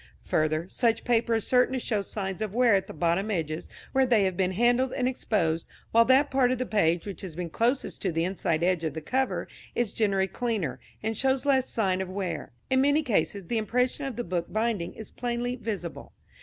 Further, such paper is certain to show signs of wear at the bottom edges where they have been handled and exposed, while that part of the page which has been closest to the inside edge of the cover is generally cleaner, and shows less sign of wear. In many cases the impression of the book binding is plainly visible.